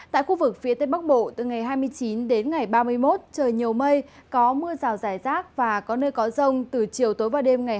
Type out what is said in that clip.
tại khu vực phía tên bắc bộ từ ngày hai mươi chín đến ngày ba mươi một trời nhiều mây có mưa rào rải rác và có nơi có rông từ chiều tối vào đêm ngày hai mươi chín